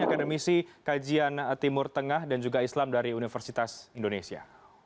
akademisi kajian timur tengah dan juga islam dari universitas indonesia